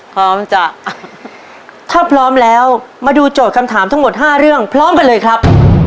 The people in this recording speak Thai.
พร้อมจะถ้าพร้อมแล้วมาดูโจทย์คำถามทั้งหมด๕เรื่องพร้อมกันเลยครับ